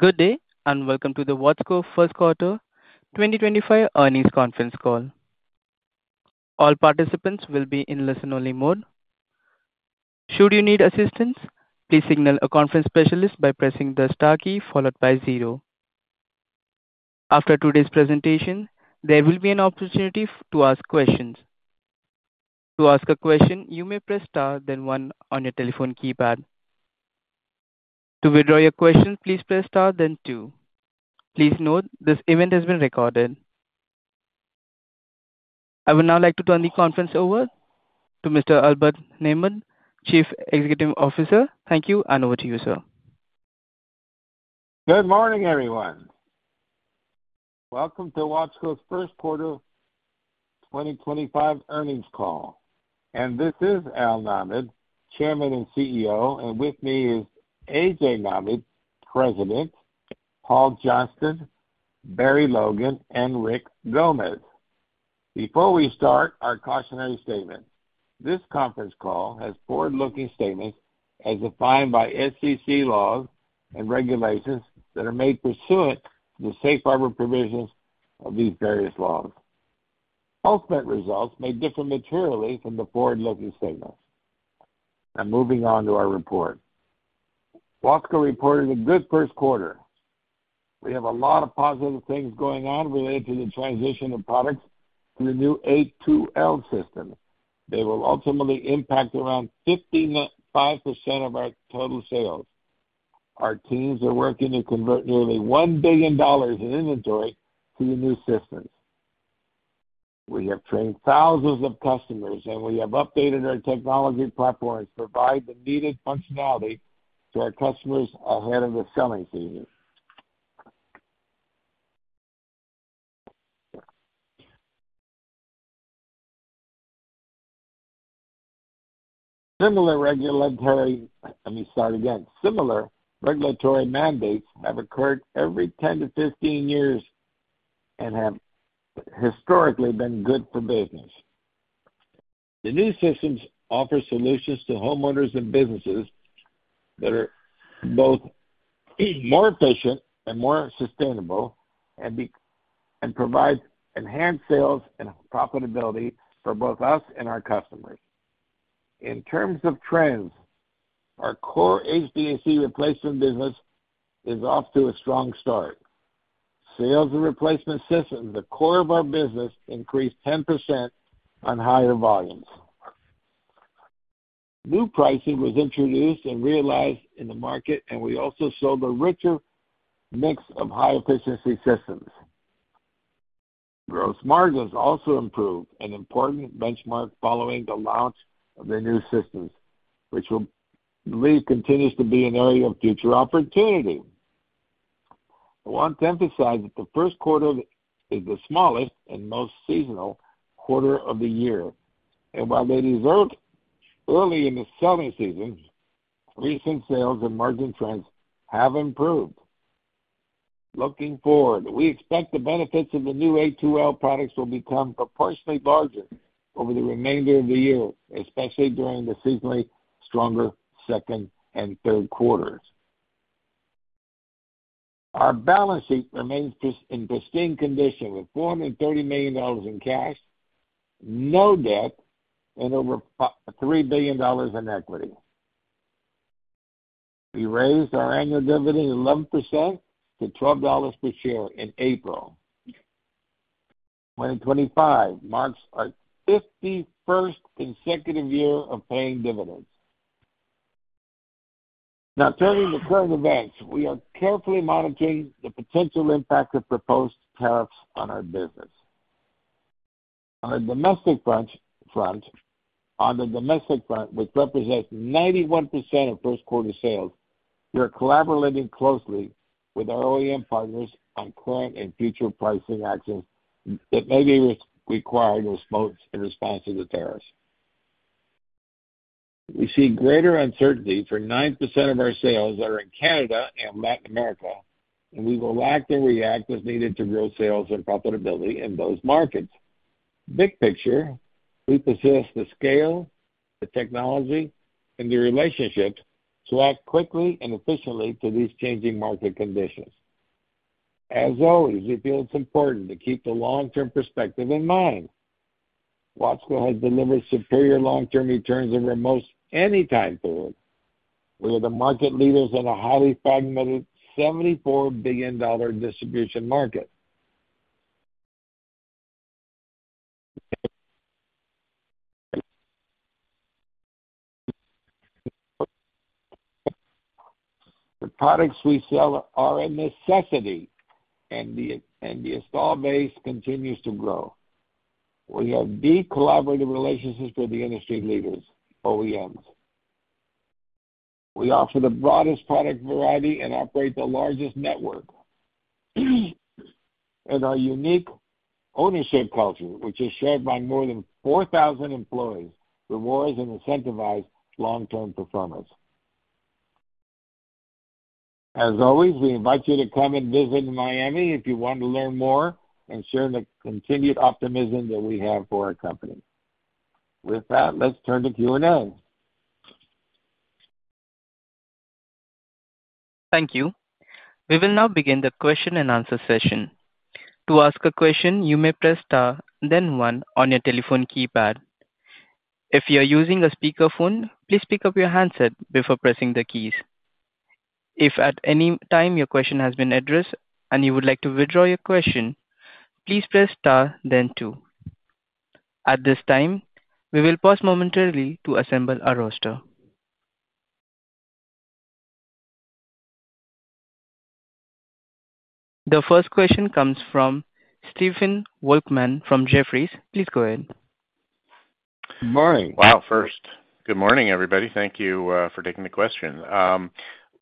Good day and welcome to the Watsco first quarter 2025 earnings conference call. All participants will be in listen-only mode. Should you need assistance, please signal a conference specialist by pressing the star key followed by zero. After today's presentation, there will be an opportunity to ask questions. To ask a question, you may press star then one on your telephone keypad. To withdraw your questions, please press star then two. Please note this event has been recorded. I would now like to turn the conference over to Mr. Albert Nahmad, Chief Executive Officer. Thank you. Over to you sir. Good morning everyone. Welcome to Watsco's first quarter 2025 earnings call. This is Albert Nahmad, Chairman and CEO, and with me is A.J. Nahmad, President, Paul Johnston, Barry Logan, and Rick Gomez. Before we start our cautionary statement, this conference call has forward looking statements as defined by SEC laws and regulations that are made pursuant to the safe harbor provisions of these various laws. Ultimate results may differ materially from the forward looking statements. Moving on to our report, Watsco reported a good first quarter. We have a lot of positive things going on related to the transition of products to the new A2L system. They will ultimately impact around 55% of our total sales. Our teams are working to convert nearly $1 billion in inventory. We have trained thousands of customers and we have updated our technology platforms to provide the needed functionality to our customers ahead of the selling season. Similar regulatory mandates have occurred every 10 to 15 years and have historically been good for business. The new systems offer solutions to homeowners and businesses that are both more efficient and more sustainable and provide enhanced sales and profitability for both us and our customers. In terms of trends, our core HVAC replacement business is off to a strong start. Sales in replacement systems, the core of our business, increased 10% on higher volumes, new pricing was introduced and realized in the market, and we also sold a richer mix of high efficiency systems. Gross margins also improved, an important benchmark following the launch of the new systems, which continues to be an area of future opportunity. I want to emphasize that the first quarter is the smallest and most seasonal quarter of the year, and while they deserved early in the selling season, recent sales and margin trends have improved. Looking forward, we expect the benefits of the new A2L products will become proportionally larger over the remainder of the year, especially during the seasonally stronger second and third quarters. Our balance sheet remains in pristine condition with $430 million in cash, no debt and over $3 billion in equity. We raised our annual dividend 11% to $12 per share in April. 2025 marks our 51st consecutive year of paying dividends. Now, turning to current events, we are carefully monitoring the potential impact of proposed tariffs on our business. On the domestic front, which represents 91% of first quarter sales, we are collaborating closely with our OEM partners on current and future pricing actions that may be required as folks. In response to the tariffs, we see greater uncertainty for 9% of our sales that are in Canada and Latin America. We will act and react as needed to grow sales and profitability in those markets. Big picture, we possess the scale, the technology, and the relationship to act quickly and efficiently to these changing market conditions. As always, we feel it's important to keep the long term perspective in mind. Watsco has delivered superior long term returns over most any time period. We are the market leaders in a highly fragmented $74 billion distribution market. The products we sell are a necessity and the installed base continues to grow. We have deep collaborative relationships with the industry leaders, OEMs, we offer the broadest product variety, and operate the largest network. Our unique ownership culture, which is shared by more than 4,000 employees, rewards and incentivizes long term performance. As always, we invite you to come and visit in Miami if you want to learn more and share the continued optimism that we have for our company. With that, let's turn to Q and A. Thank you. We will now begin the question and answer session. To ask a question, you may press star, then one on your telephone keypad. If you are using a speakerphone, please pick up your handset before pressing the keys. If at any time your question has been addressed and you would like to withdraw your question, please press star then two. At this time, we will pause momentarily to assemble our roster. The first question comes from Stephen Volkmann from Jefferies. Please go ahead. Wow. First, good morning everybody. Thank you for taking the question.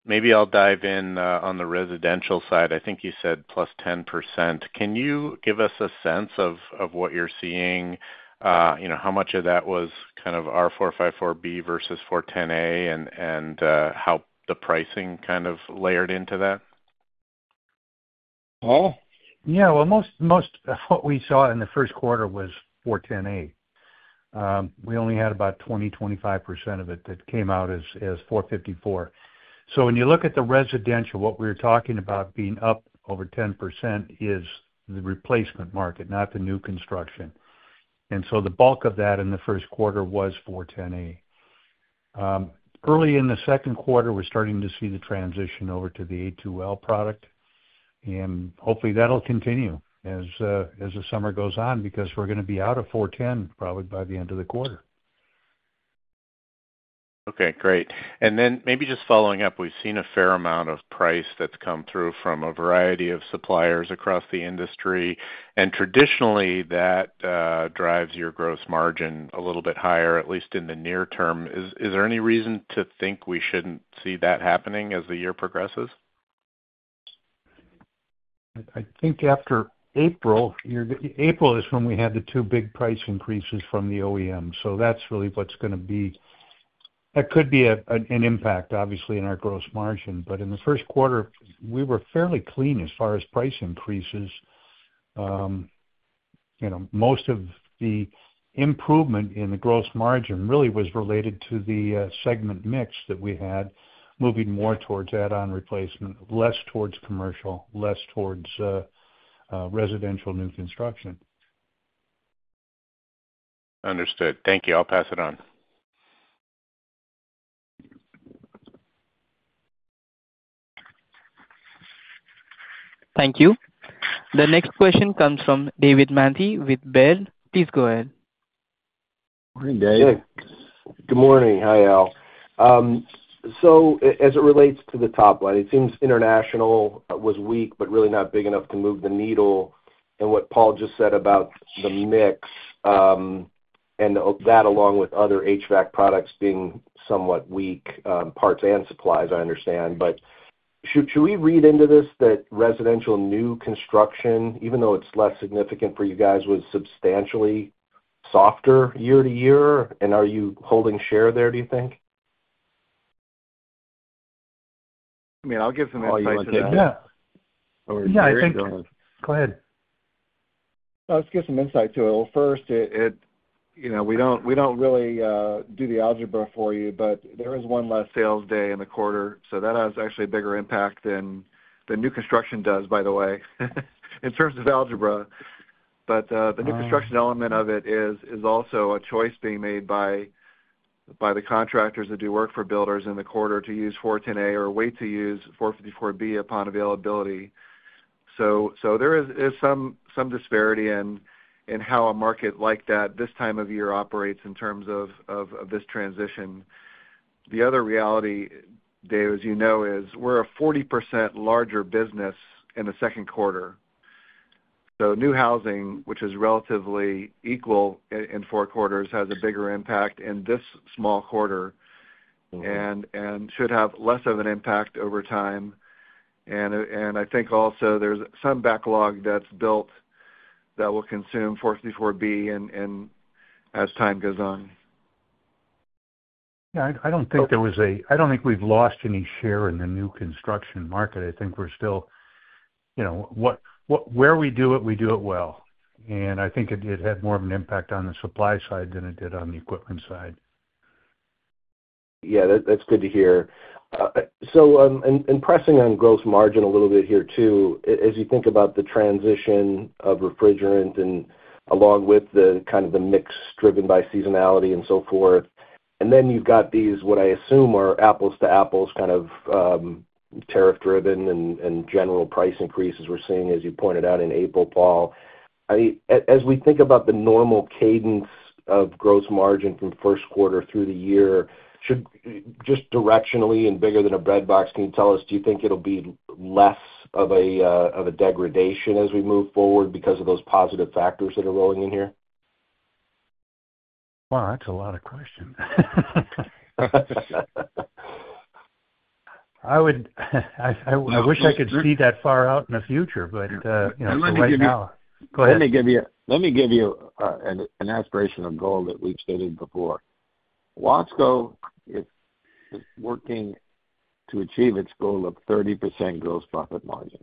Maybe I'll dive in on the residential side. I think you said plus 10%. Can you give us a sense of what you're seeing? You know how much of that was kind of R-454B versus 410A and how the pricing kind of layered into that? Yeah, most what we saw in the first quarter was 410A. We only had about 20-25% of it that came out as 454. When you look at the residential, what we were talking about being up over 10% is the replacement market, not the new construction. The bulk of that in the first quarter was 410A. Early in the second quarter we're starting to see the transition over to the A2L product and hopefully that'll continue as the summer goes on because we're going to be out of 410 probably by the end of the quarter. Okay, great. Maybe just following up, we've seen a fair amount of price that's come through from a variety of suppliers across the industry and traditionally that drives your gross margin a little bit higher, at least in the near term. Is there any reason to think we shouldn't see that happening as the year progresses? I think after April. April is when we had the two big price increases from the OEM. That could be an impact obviously in our gross margin. In the first quarter we were fairly clean as far as price increases. Most of the improvement in the gross margin really was related to the segment mix that we had, moving more towards add-on replacement, less towards commercial, less towards residential new construction. Understood, thank you. I'll pass it on. Thank you. The next question comes from David Manthey with Baird. Please go ahead. Good morning. Hi, Al. As it relates to the top line, it seems international was weak but really not big enough to move the needle. What Paul just said about the mix and that along with other HVAC products being somewhat weak, parts and supplies. I understand, but should we read into this that residential new construction, even though it's less significant for you guys, was substantially softer year to year and are you holding share there, do you think? I mean, I'll give some insight. Go ahead, let's get some insight to it. First, we don't really do the algebra for you, but there is one less sales day in the quarter. That has actually a bigger impact than new construction does, by the way, in terms of algebra. The new construction element of it is also a choice being made by the contractors that do work for builders in the quarter to use 410A or wait to use 454B upon availability. There is some disparity in how a market like that this time of year operates in terms of this transition. The other reality, Dave, as you know, is we're a 40% larger business in the second quarter. New housing, which is relatively equal in four quarters, has a bigger impact in this small quarter and should have less of an impact over time. I think also there's some backlog that's built that will consume 454B and as time goes on. I don't think there was a. I don't think we've lost any share in the new construction market. I think we're still, you know, where we do it, we do it well. I think it had more of an impact on the supply side than it did on the equipment side. That's good to hear. Pressing on gross margin a little bit here too. As you think about the transition of refrigerant and along with the kind of the mix driven by seasonality and so forth. Then you've got these, what I assume are apples to apples, kind of tariff driven and general price increases. We're seeing, as you pointed out in April, Paul, as we think about the normal cadence of gross margin from first quarter through the year, just directionally and bigger than a breadbox, can you tell us, do you think it'll be less of a degradation as we move forward because of those positive factors that are rolling in here? Wow, that's a lot of questions. I wish I could see that far out in the future. Let me give you an aspirational goal that we've stated before. Watsco is working to achieve its goal of 30% gross profit margin.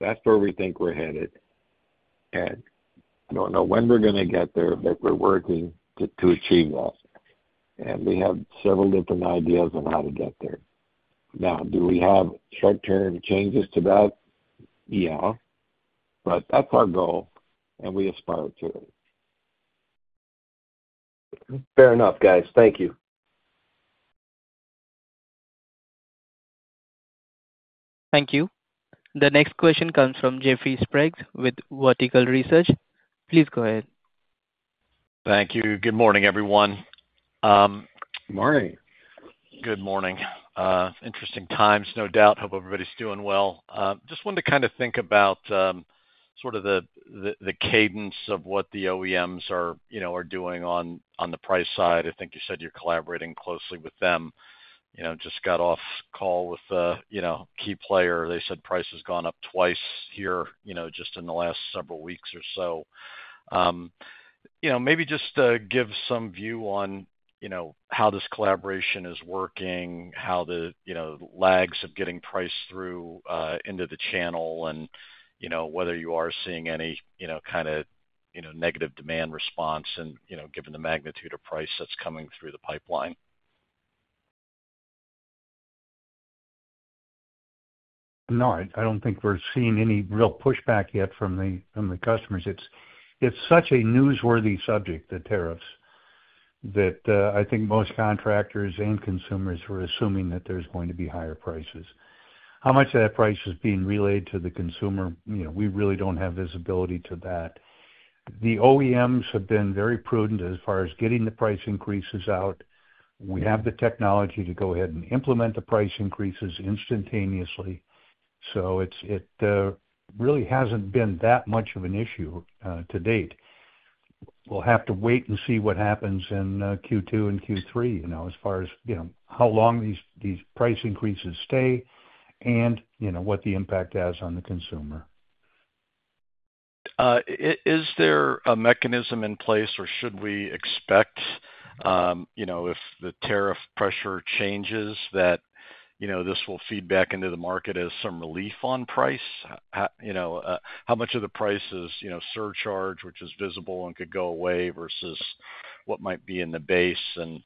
That's where we think we're headed. I don't know when we're going to get there, but we're working to achieve that and we have several different ideas on how to get there. Now, do we have short term changes to that? Yeah, but that's our goal and we aspire to it. Fair enough, guys. Thank you. Thank you. The next question comes from Jeffrey Sprague with Vertical Research. Please go ahead. Thank you. Good morning, everyone. Morning. Good morning. Interesting times, no doubt. Hope everybody's doing well. Just wanted to kind of think about sort of the cadence of what the OEMs are, you know, are doing on, on the price side. I think you said you're collaborating closely with them. You know, just got off call with Key Player. They said price has gone up twice here just in the last several weeks or so. Maybe just give some view on how this collaboration is working, how the lags of getting price through into the channel and whether you are seeing any kind of negative demand response, given the magnitude of price that's coming through the pipeline. No, I don't think we're seeing any real pushback yet from the customers. It's such a newsworthy subject, the tariffs that I think most contractors and consumers were assuming that there's going to be higher prices. How much of that price is being relayed to the consumer. We really don't have visibility to that. The OEMs have been very prudent as far as getting the price increases out. We have the technology to go ahead and implement the price increases instantaneously. So it really hasn't been that much of an issue to date. We'll have to wait and see what happens in Q2 and Q3 as far as how long these price increases stay and what the impact has on the consumer. Is there a mechanism in place or should we expect if the tariff pressure changes that, you know, this will feed back into the market as some relief on price, you know, how much of the price is, you know, surcharge, which is visible and could go away versus what might be in the base and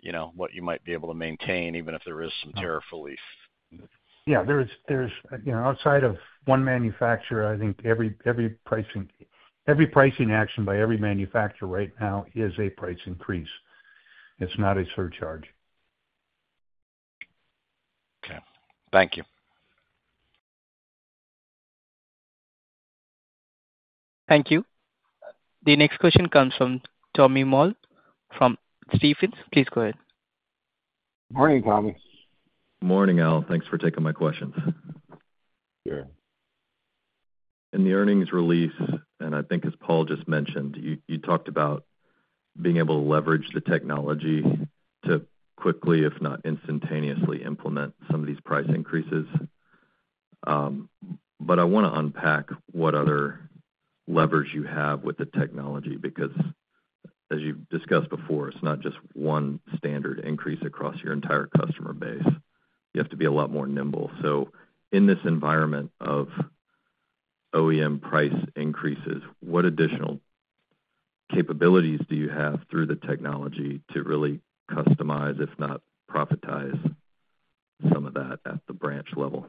you know, what you might be able to maintain even if there is some tariff release. Yeah, there is, you know, outside of one manufacturer, I think every, every pricing, every pricing action by every manufacturer right now is a price increase. It's not a surcharge. Okay, thank you. Thank you. The next question comes from Tommy Moll from Stephens. Please go ahead. Morning, Tommy. Morning, All. Thanks for taking my questions. In the earnings release. And I think as Paul just mentioned, you talked about being able to leverage the technology to quickly, if not instantaneously, implement some of these price increases. But I want to unpack what other levers you have with the technology because as you discussed before, it's not just one standard increase across your entire customer base. You have to be a lot more nimble. In this environment of OEM price increases, what additional capabilities do you have through the technology to really customize, if not profitize some of that at the branch level?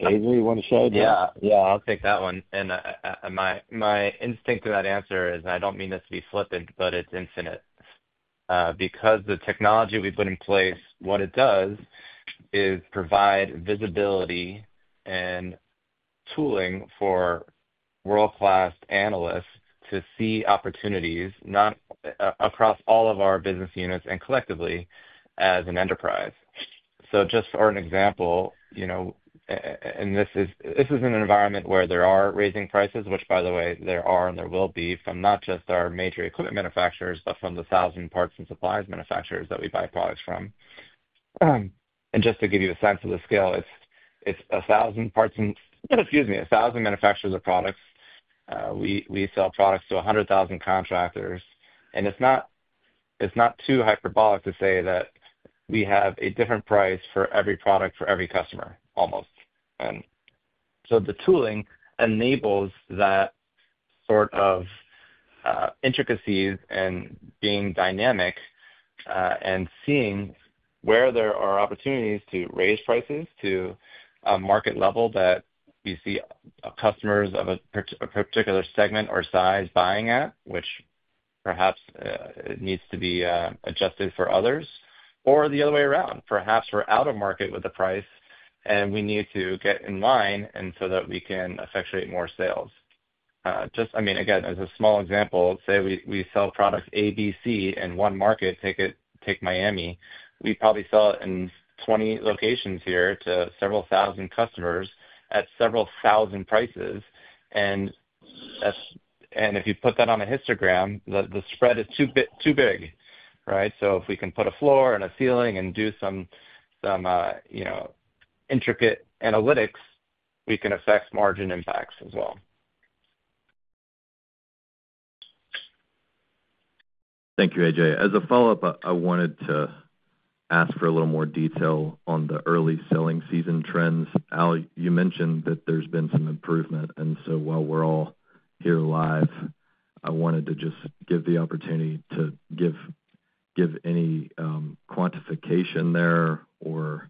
A.J., you want to share that? Yeah, yeah, I'll take that one. My instinct to that answer is, I don't mean this to be flippant, but it's infinite because the technology we put in place, what it does is provide visibility and tooling for world class analysts to see opportunities across all of our business units and collectively as an enterprise. Just for an example, you know, and this is an environment where there are raising prices, which by the way, there are and there will be from not just our major equipment manufacturers, but from the thousand parts and supplies manufacturers that we buy products from. Just to give you a sense of the scale, it's a thousand parts and, excuse me, a thousand manufacturers of products. We sell products to 100,000 contractors. It's not too hyperbolic to say that we have a different price for every product for every customer almost. The tooling enables that sort of intricacies and being dynamic and seeing where there are opportunities to raise prices to a market level that you see customers of a particular segment or size buying at, which perhaps needs to be adjusted for others or the other way around. Perhaps we're out of market with the price and we need to get in line so that we can effectuate more sales. Just, I mean, again, as a small example, say we sell products A, B, C in one market. Take Miami. We probably sell it in 20 locations here to several thousand customers at several thousand prices. If you put that on a histogram, the spread is too big. Right. If we can put a floor and a ceiling and do some intricate analytics, we can affect margin impacts as well. Thank you, A.J. As a follow up, I wanted to ask for a little more detail on the early selling season trends. Al, you mentioned that there's been some improvement. While we're all here live, I wanted to just give the opportunity to give any questions, quantification there or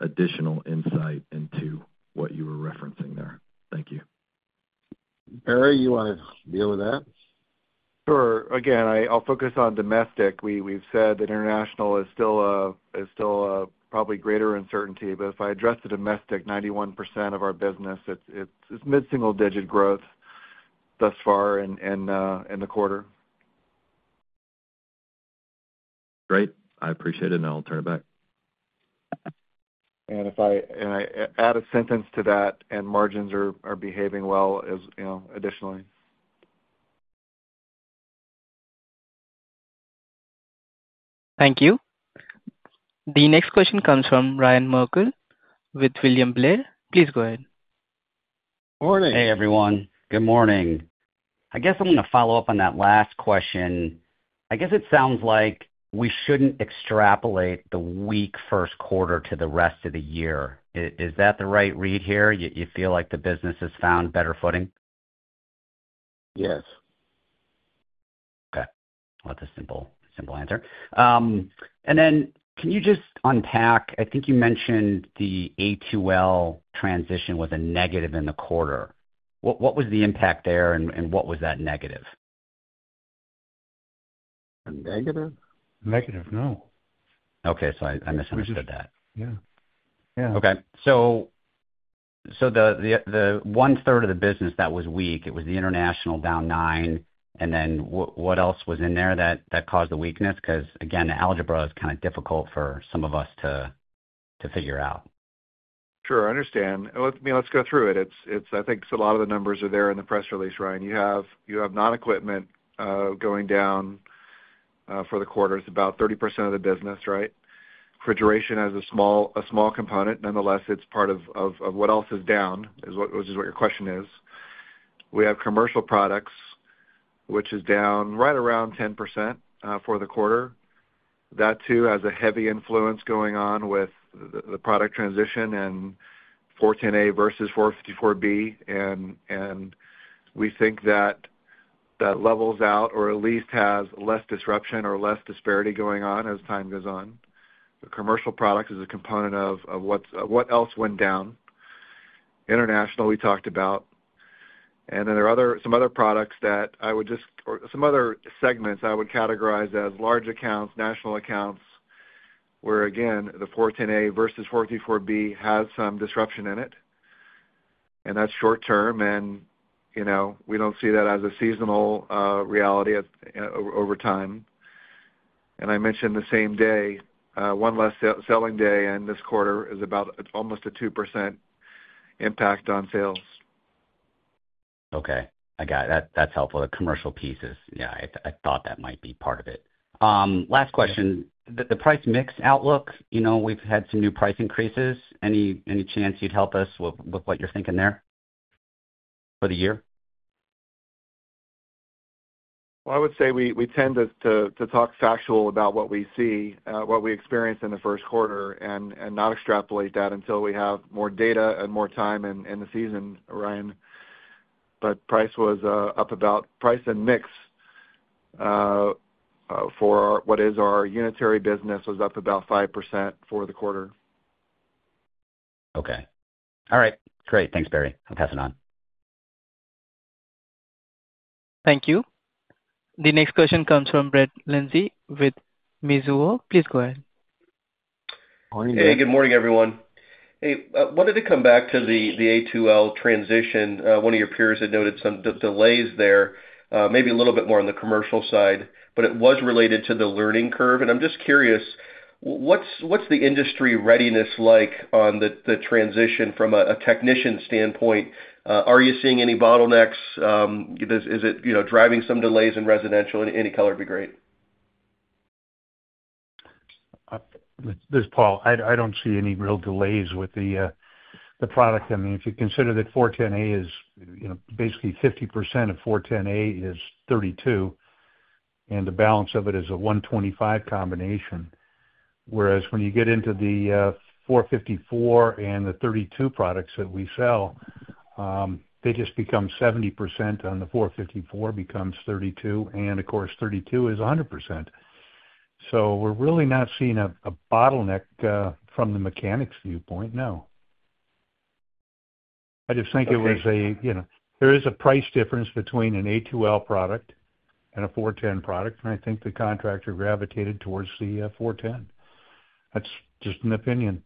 additional insight into what you were referencing there. Thank you. Barry, you want to deal with that? Sure. Again, I'll focus on domestic. We've said that international is still probably greater uncertainty, but if I address the domestic 91% of our business, it's mid single digit growth thus far in the quarter. Great, I appreciate it. I'll turn it back. And if I add a sentence to that. Margins are behaving well additionally. Thank you. The next question comes from Ryan Merkel with William Blair. Please go ahead. Morning. Hey everyone. Good morning. I guess I'm going to follow up on that last question. I guess it sounds like we shouldn't extrapolate the weak first quarter to the rest of the year. Is that the right read here? You feel like the business has found better footing? Yes. Okay. That's a simple, simple answer. Can you just unpack? I think you mentioned the A2L transition was a negative in the quarter. What was the impact there and what was that? Negative, negative. No. Okay, I misunderstood that. Yeah, yeah. Okay. The one-third of the business that was weak, it was the international down 9%. What else was in there that caused the weakness? Because again, the algebra is kind of difficult for some of us to figure out. Sure, I understand. Let's go through it. I think a lot of the numbers are there in the press release. Ryan, you have non equipment going down for the quarter. It's about 30% of the business. Right. Refrigeration has a small component. Nonetheless, it's part of what else is down, which is what your question is. We have commercial products, which is down right around 10% for the quarter. That too has a heavy influence going on with the product transition and 410A versus 454B. We think that levels out or at least has less disruption or less disparity going on as time goes on. Commercial products is a component of what else went down. International we talked about. There are some other products that I would just, some other segments I would categorize as large accounts, national accounts, where again, the 410A versus 454B has some disruption in it. That is short term and we do not see that as a seasonal reality over time. I mentioned the same day, one less selling day. This quarter is about almost a 2% impact on sales. Okay, I got it. That is helpful. The commercial pieces. Yeah, I thought that might be part of it. Last question, the price mix outlook. You know, we have had some new price increases. Any chance you would help us with what you are thinking there for the year? I would say we tend to talk factual about what we see, what we experienced in the first quarter and not extrapolate that until we have more data and more time in the season, Ryan. But price was up about price and mix for what is our unitary business was up about 5% for the quarter. Okay. All right, great. Thanks, Barry. I'll pass it on. Thank you. The next question comes from Brett Linzey with Mizuho. Please go ahead. Hey, good morning, everyone. Hey. Wanted to come back to the A2L transition. One of your peers had noted some delays there, maybe a little bit more on the commercial side, but it was related to the learning curve. I'm just curious, what's the industry readiness like on the transition from a technician standpoint? Are you seeing any bottlenecks? Is it driving some delays in residential? Any color would be great. This is. Paul. I don't see any real delays with the product. I mean, if you consider that 410A is, you know, basically 50% of 410A is 32 and the balance of it is a 125 combination. Whereas when you get into the 454 and the 32 products that we sell, they just become 70% on the 454 becomes 32. And of course 32 is 100%. So we're really not seeing a bottleneck from the mechanics viewpoint. No, I just think it was a. You know there is a price difference between an A2L product and a 410 product. And I think the contractor gravitated towards the 410. That's just an opinion. Yeah.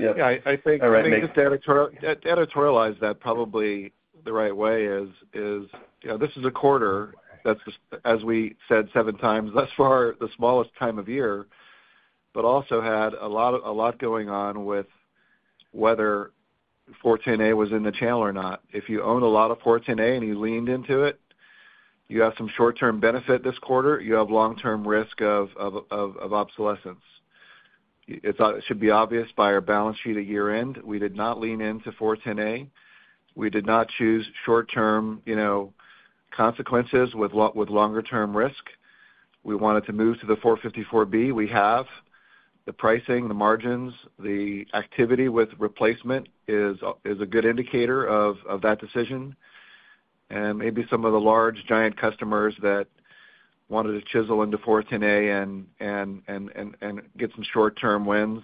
I think editorialize that probably the right way is this is a quarter that's as we said, seven times thus far, the smallest time of year. Also had a lot going on with whether 410A was in the channel or not. If you owned a lot of 410 and you leaned into it, you have some short term benefit this quarter. You have long term risk of obsolescence. It should be obvious by our balance sheet at year end we did not lean into 410. We did not choose short term consequences with longer term risk. We wanted to move to the 454B. We have the pricing, the margins, the activity with replacement is a good indicator of that decision. Maybe some of the large giant customers that wanted to chisel into 410A and get some short term wins.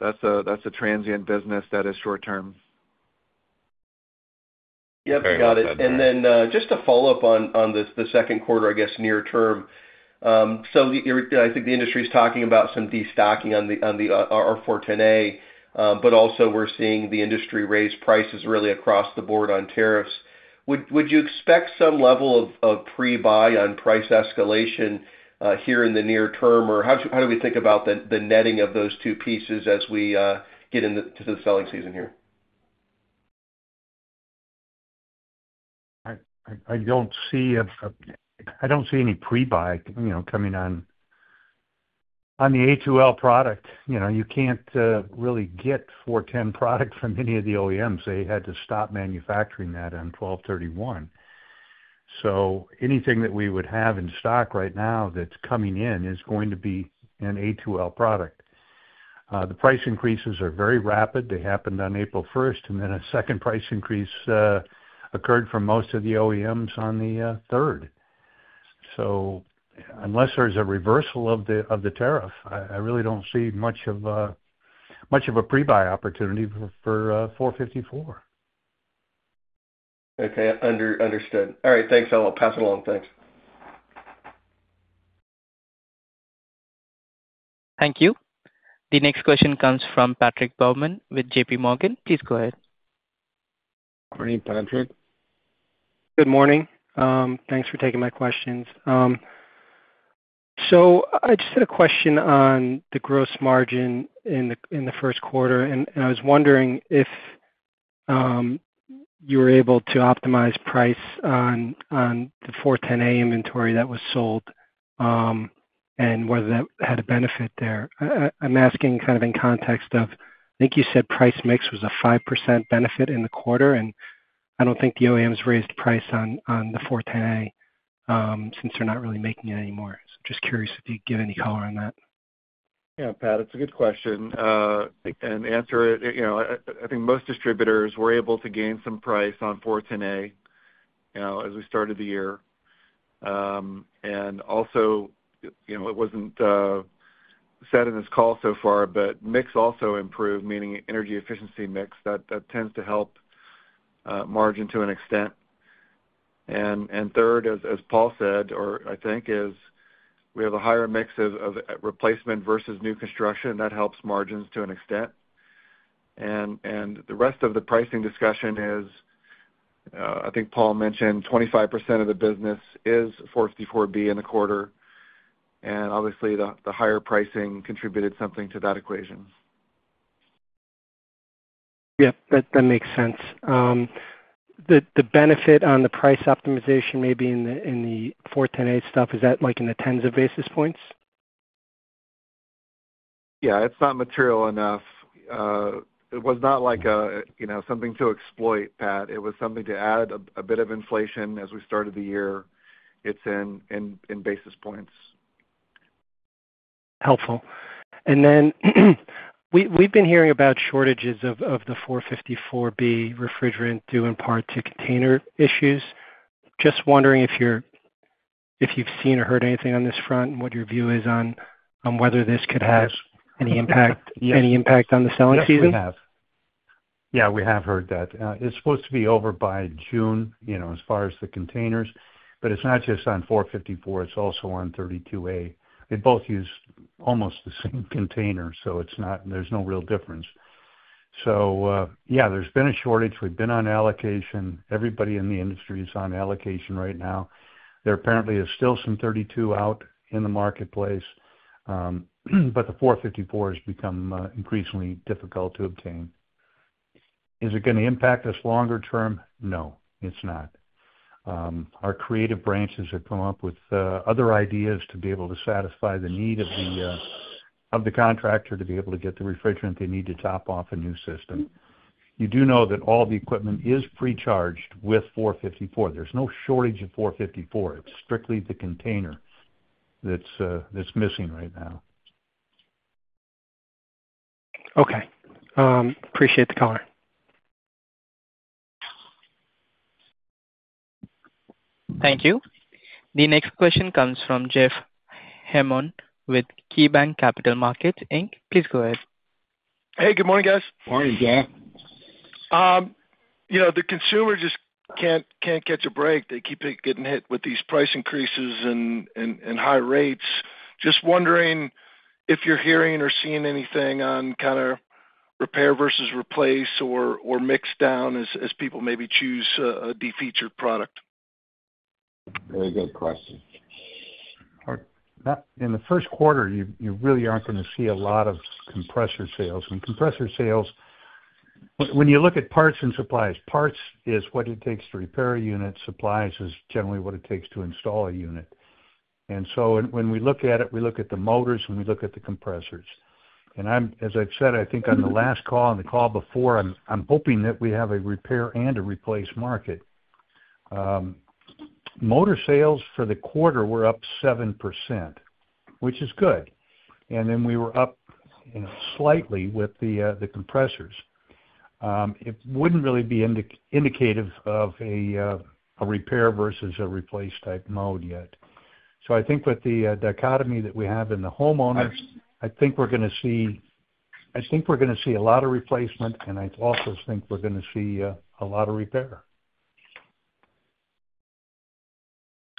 That is a transient business. That is short term. Yep, got it. Just a follow up on the second quarter I guess near term. I think the industry is talking about some destocking on the R-410A but also we're seeing the industry raise prices really across the board on tariffs. Would you expect some level of pre buy on price escalation here in the near term or how do we think about the netting of those two pieces as we get into the selling season here? I don't see, I don't see any pre buy, you know, coming on on the A2L product. You know, you can't really get 410 product from any of the OEMs. They had to stop manufacturing that on December 31. So anything that we would have in stock right now that's coming in is going to be an A2L product. The price increases are very rapid. They happened on April 1 and then a second price increase occurred for most of the OEMs on the 3rd. Unless there's a reversal of the tariff, I really don't see much of a pre buy opportunity for 454. Okay, understood. All right, thanks. I'll pass it along. Thanks. Thank you. The next question comes from Patrick Baumann with JP Morgan. Please go ahead. Good morning, Patrick. Good morning. Thanks for taking my questions. I just had a question on the gross margin in the first quarter and I was wondering if you were able to optimize price on the 410A inventory that was sold and whether that had a benefit there. I'm asking kind of in context of, I think you said price mix was a 5% benefit in the quarter. I don't think the OEMs raised price on the 410A since they're not really making it anymore. Just curious if you'd give any color on that. Yeah, Pat, it's a good question and answer it. I think most distributors were able to gain some price on 410A as we started the year. It wasn't said in this call so far, but mix also improved, meaning energy efficiency mix that tends to help margin to an extent. Third, as Paul said, or I think is we have a higher mix of replacement versus new construction. That helps margins to an extent. The rest of the pricing discussion is, I think Paul mentioned 25% of the business is 454B in the quarter. Obviously the higher pricing contributed something to that equation. Yep, that makes sense. The benefit on the price optimization, maybe in the 410A stuff, is that like in the tens of basis points? Yeah, it's not material enough. It was not like something to exploit, Pat. It was something to add a bit of inflation as we started the year. It's in basis points. Helpful. Then we've been hearing about shortages of the 454B refrigerant due in part to container issues. Just wondering if you've seen or heard anything on this front and what your view is on whether this could have any impact on the selling season. Yeah, we have heard that it's supposed to be over by June as far as the containers, but it's not just on 454. It's also on 32A. They both use almost the same container. There's no real difference. Yeah, there's been a shortage. We've been on allocation. Everybody in the industry is on allocation right now. There apparently is still some 32 out in the marketplace. But the 454 has become increasingly difficult to obtain. Is it going to impact us longer term? No, it's not. Our creative branches have come up with other ideas to be able to satisfy the need of the contractor to be able to get the refrigerant they need to top off a new system. You do know that all the equipment is pre-charged with 454. There's no shortage of 454. It's strictly the container that's missing right now. Okay. Appreciate the color. Thank you. The next question comes from Jeff Hammond with KeyBanc Capital Markets. Please go ahead. Hey, good morning, guys. Morning, Jeff. You know, the consumer just can't catch a break. They keep getting hit with these price increases and high rates. Just wondering if you're hearing or seeing anything on kind of repair versus replace or mix down as people maybe choose a defeatured product. Very good question. In the first quarter you really aren't going to see a lot of compressor sales. Compressor sales, when you look at parts and supplies, parts is what it takes to repair a unit. Supplies is generally what it takes to install a unit. When we look at it, we look at the motors and we look at the compressors and as I've said, I think on the last call, on the call before, I'm hoping that we have a repair and a replace market. Motor sales for the quarter were up 7% which is good. We were up slightly with the compressors. It wouldn't really be indicative of a repair versus a replace type mode yet. I think with the dichotomy that we have in the homeowner, I think we're going to see, I think we're going to see a lot of replacement and I also think we're going to see a lot of repair.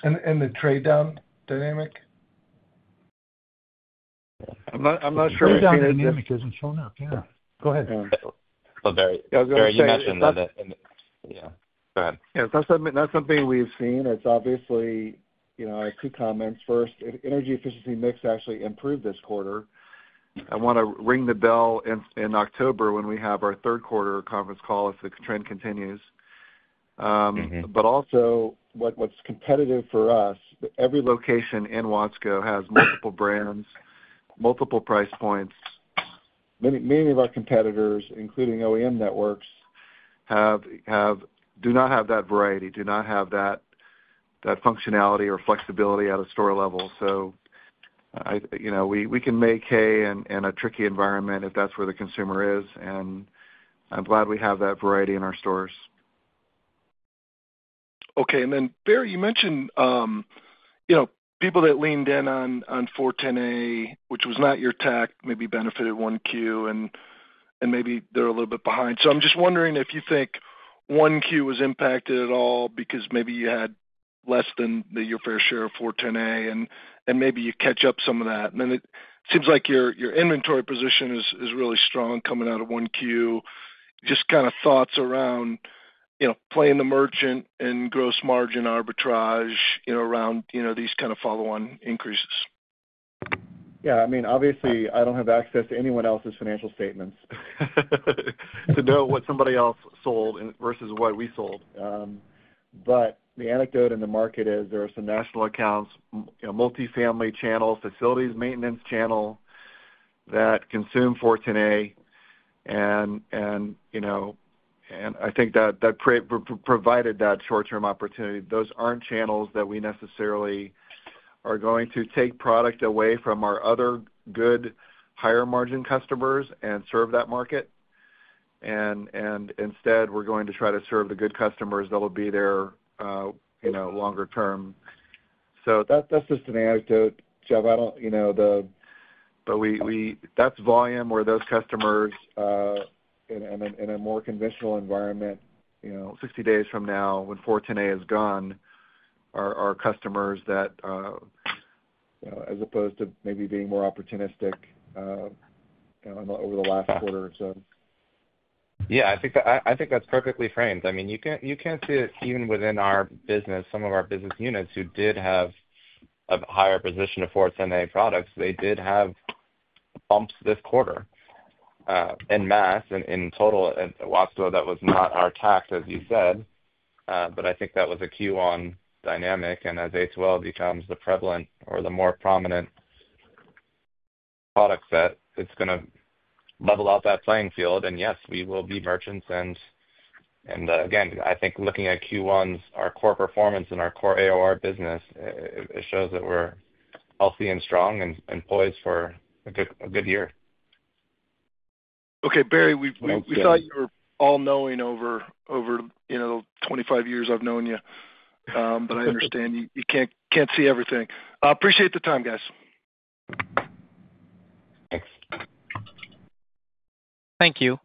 And the trade down dynamic? I'm not sure. Go ahead. It's obviously two comments. First, energy efficiency mix actually improved this quarter. I want to ring the bell in October when we have our third quarter conference call if the trend continues. Also, what's competitive for us. Every location in Watsco has multiple brands, multiple price points. Many of our competitors, including OEM networks, do not have that variety, do not have that functionality or flexibility at a store level. We can make hay in a tricky environment if that's where the consumer is. I'm glad we have that variety in our stores. Okay. Barry, you mentioned people that leaned in on 410A, which was not your TAC, maybe benefited 1Q and maybe they are a little bit behind. I am just wondering if you think 1Q was impacted at all because maybe you had less than your fair share of 410A and maybe you catch up some of that. It seems like your inventory position is really strong coming out of 1Q. Just kind of thoughts around playing the merchant and gross margin arbitrage around these kind of follow-on increases. I mean, obviously I do not have access to anyone else's financial statements to know what somebody else sold versus what we sold. The anecdote in the market is there are some national accounts, multifamily channel, facilities, maintenance channel that consume 410A. I think that provided that short term opportunity, those are not channels that we necessarily are going to take product away from our other good higher margin customers and serve that market. Instead, we are going to try to serve the good customers that will be there longer term. That is just an anecdote, Jeff. I do not. That is volume where those customers in a more conventional environment 60 days from now, when 410A is gone, are customers that as opposed to maybe being more opportunistic over the last quarter or so. I think that is perfectly framed. I mean you can see it even within our business. Some of our business units who did have a higher position of 410A products, they did have bumps this quarter en masse in total. That was not our tack, as you said, but I think that was a Q1 dynamic. As A2L becomes the prevalent or the more prominent product set, it's going to level out that playing field. Yes, we will be merchants. Again, I think looking at Q1's, our core performance and our core AOR business, it shows that we're healthy and strong and poised for a good year. Okay, Barry, we thought you were all knowing over 25 years I've known you, but I understand you can't see everything. Appreciate the time, guys. Thank you.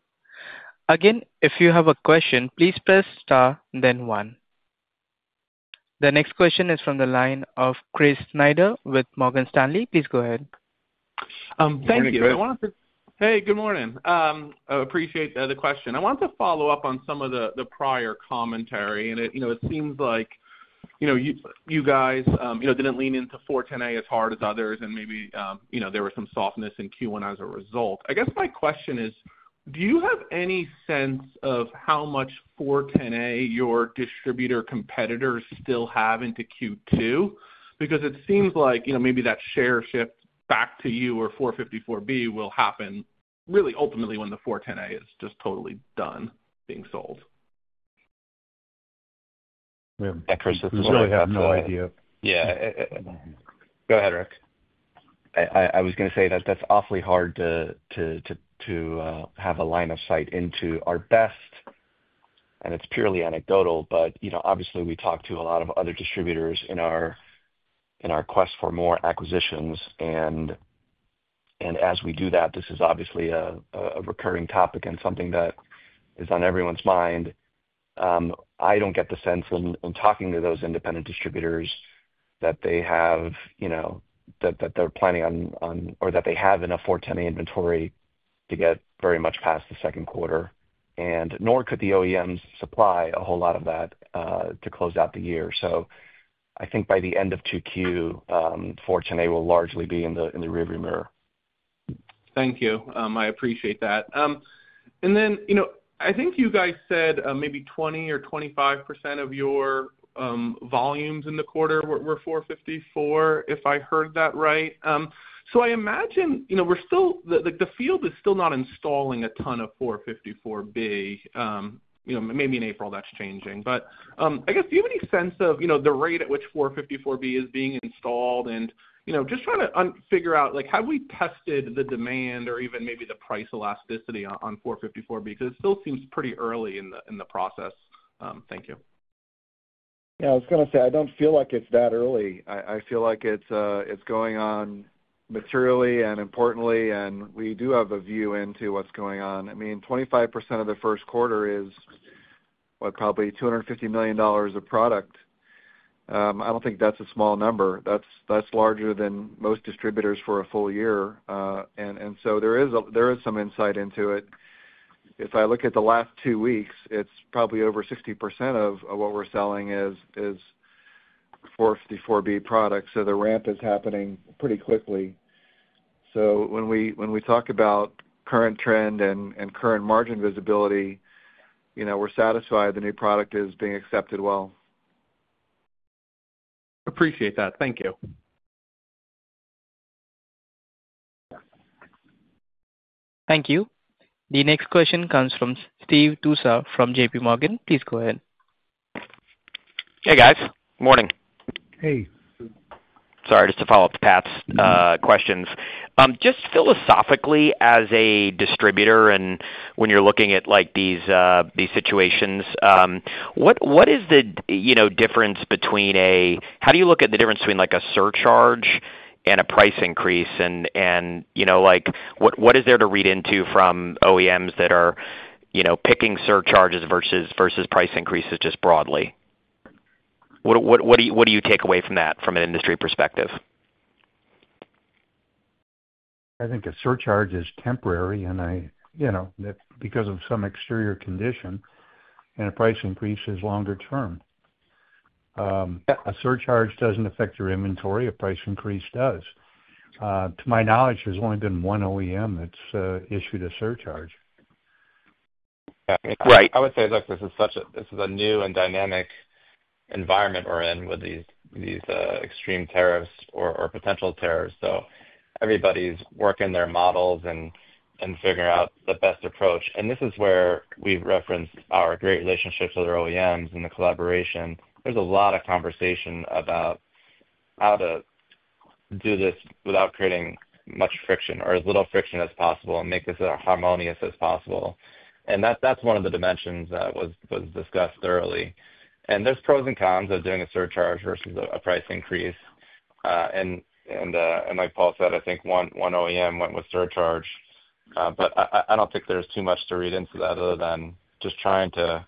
Again, If you have a question, please press star then one. The next question is from the line of Chris Snyder with Morgan Stanley. Please go ahead. Thank you. Hey, good morning. I appreciate the question. I want to follow up on some of the prior commentary and it seems like you guys didn't lean into 410A as hard as others and maybe there was some softness in Q1 as a result. I guess my question is, do you have any sense of how much 410A your distributor competitors still have into Q2? Because it seems like maybe that share shift back to you or 454B will happen really ultimately when the 410A is just totally done being sold. I really have no idea. Yeah, go ahead. I was going to say that that's awfully hard to have a line of sight into at best and it's purely anecdotal, but obviously we talk to a lot of other distributors in our quest for more acquisitions and as we do that, this is obviously a recurring topic and something that is on everyone's mind. I don't get the sense in talking to those independent distributors that they have, you know, that they're planning on or that they have enough 410A inventory to get very much past the second quarter. Nor could the OEMs supply a whole lot of that to close out the year. I think by the end of 2Q, 410A will largely be in the rearview mirror. Thank you. I appreciate that. I think you guys said maybe 20% or 25% of your volumes in the quarter were 454B, if I heard that right. I imagine we're still, the field is still not installing a ton of 454B, maybe in April. That's changing. I guess do you have any sense of the rate at which 454B is being installed? Just trying to figure out, have we tested the demand or even maybe the price elasticity on 454B? Because it still seems pretty early in the process. Thank you. Yeah, I was going to say I don't feel like it's that early. I feel like it's going on materially and importantly. We do have a view into what's going on. I mean, 25% of the first quarter is probably $250 million of product. I don't think that's a small number. That's larger than most distributors for a full year. There is some insight into it. If I look at the last two weeks, it's probably over 60% of what we're selling is 454B products. The ramp is happening pretty quickly. When we talk about current trend and current margin visibility, you know, we're satisfied the new product is being accepted. Appreciate that. Thank you. Thank you. The next question comes from Steve Tusa from JP Morgan. Please go ahead. Hey guys. Good morning. Hey. Sorry. Just to follow up to Pat's questions, just philosophically, as a distributor and when you're looking, looking at these situations, what is the difference between a. How do you look at the difference between a surcharge and a price increase? And what is there to read into from OEMs that are picking surcharges versus price increases just broadly? What do you take away from that from an industry perspective? I think a surcharge is temporary and I, you know, because of some exterior condition and a price increase is longer term, a surcharge doesn't affect your inventory, a price increase does. To my knowledge, there's only been one OEM that's issued a surcharge. Right. I would say, look, this is such a, this is a new and dynamic environment we're in with these, these extreme tariffs or potential tariffs. Everybody's working their models and figuring out the best approach. This is where we referenced our great relationships with our OEMs and the collaboration. There's a lot of conversation about how to do this without creating much friction or as little friction as possible and make this harmonious as possible. That's one of the dimensions that was discussed thoroughly. There are pros and cons of doing a surcharge versus a price increase. Like Paul said, I think one OEM went with surcharge, but I don't think there's too much to read into that other than just trying to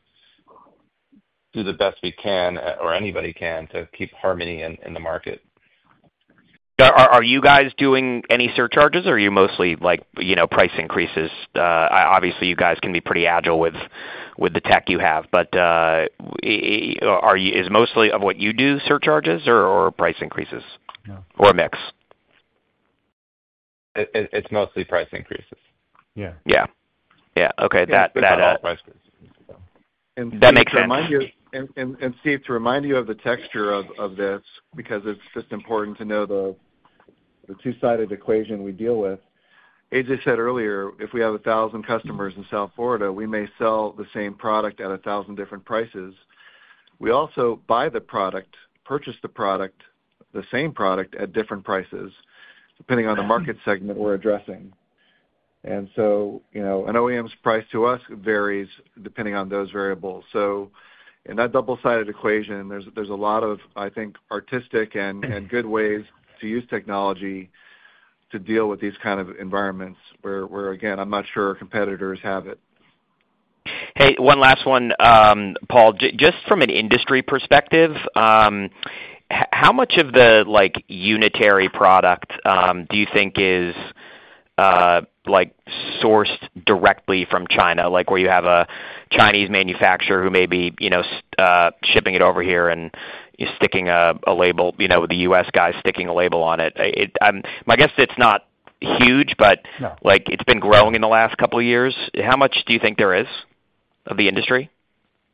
do the best we can or anybody can to keep harmony in the market. Are you guys doing any surcharges or are you mostly price increases? Obviously you guys can be pretty agile with the tech you have. Is mostly of what you do surcharges or price increases or mix? It's mostly price increases. Yeah, yeah, yeah, okay, that makes sense. Steve, to remind you of the texture of this because it's just important to know the two-sided equation we deal with. AJ said earlier, if we have 1,000 customers in South Florida, we may sell the same product at 1,000 different prices. We also buy the product, purchase the product, the same product at different prices depending on the market segment we're addressing. An OEM's price to us varies depending on those variables. In that double sided equation there's a lot of, I think, artistic and good ways to use technology to deal with these kind of environments where again, I'm not sure competitors have it. Hey, one last one, Paul, just from an industry perspective, how much of the unitary product do you think is sourced directly from China, where you have a Chinese manufacturer who may be shipping it over here and sticking a label with the US guys? Sticking a label on it. My guess, it's not huge, but like it's been growing in the last couple years. How much do you think there is of the industry?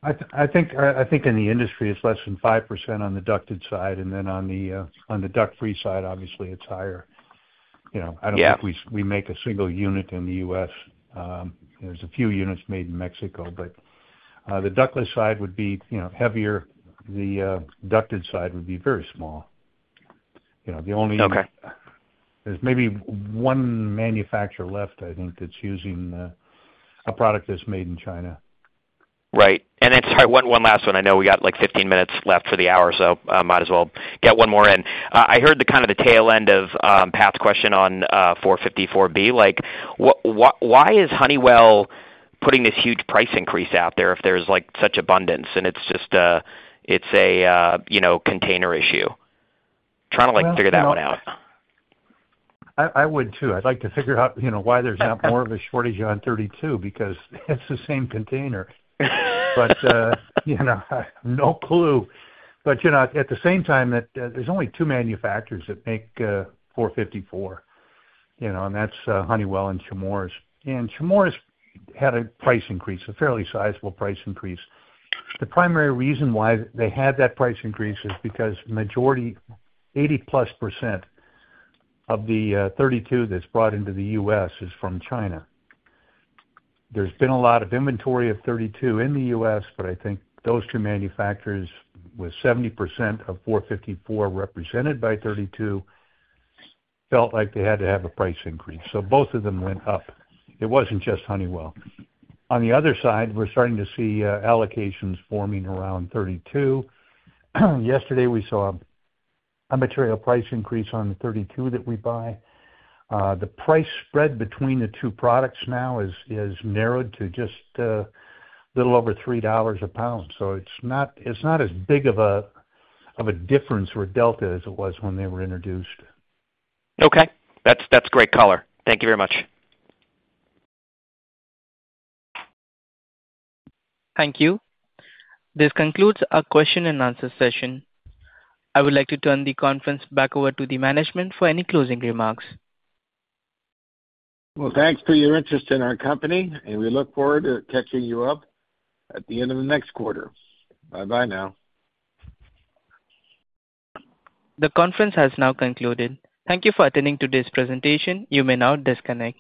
I think, I think in the industry it's less than 5% on the ducted side. And then on the, on the duct-free side, obviously it's higher. You know, I don't think we make a single unit in the U.S. There's a few units made in Mexico, but the ductless side would be, you know, heavier. The ducted side would be very small. The only, there's maybe one manufacturer left I think that's using a product that's made in China. Right. Sorry, one last one. I know we got like 15 minutes left for the hour, so might as well get one more in. I heard the kind of the tail end of Pat's question on 454B. Why is Honeywell putting this huge price increase out there if there's such abundance? It's just, it's a, you know, container issue. Trying to, like, figure that one out. I would, too. I'd like to figure out, you know, why there's not more of a shortage on 32. Because it's the same container. But, you know, no clue. You know, at the same time that there's only two manufacturers that make 454, you know, and that's Honeywell and Chemours. And Chemours had a price increase, a fairly sizable price increase. The primary reason why they had that price increase is because majority, 80+% of the 32 that's brought into the U.S. is from China. There's been a lot of inventory of 32 in the U.S. but I think those two manufacturers with 70% of 454 represented by 32 felt like they had to have a price increase. Both of them went up. It wasn't just Honeywell. On the other side, we're starting to see allocations forming around 32. Yesterday we saw a material price increase on 32 that we buy. The price spread between the two products now is narrowed to just a little over $3 a pound. It is not as big of a difference or delta as it was when they were introduced. Okay, that's great color. Thank you very much. Thank you. This concludes our question and answer session. I would like to turn the conference back over to the management for any closing remarks. Thank you for your interest in our company and we look forward to catching you up at the end of the next quarter. Bye bye now. The conference has now concluded. Thank you for attending today's presentation. You may now disconnect.